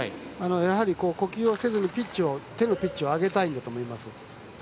呼吸をせずに手のピッチを上げたいんだと思います。